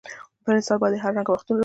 پر انسان باندي هر رنګه وختونه راځي.